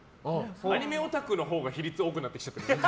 アニメオタクのほうが比率多くなってきちゃってる。